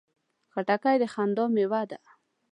خټکی د خندا مېوه ده.